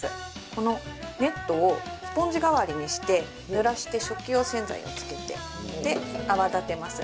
このネットをスポンジ代わりにして、ぬらして食器用洗剤をつけて、で、泡立てます。